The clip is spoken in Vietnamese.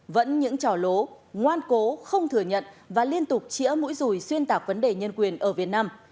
vẫn những trò lố ngoan cố không thừa nhận và liên tục chỉa mũi rùi xuyên tạc vấn đề nhân quyền ở việt nam